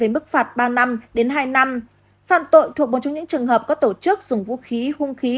mức phạt ba năm đến hai năm phạm tội thuộc một trong những trường hợp có tổ chức dùng vũ khí hung khí